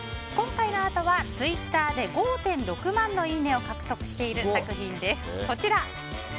今回のアートはツイッターで５．６万のいいねを獲得している作品です。